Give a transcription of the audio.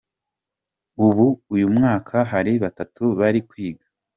Ubu uyu mwaka hari batatu bari kwiga.